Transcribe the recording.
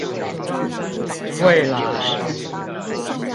未來